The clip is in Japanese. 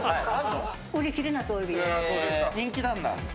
人気なんだ。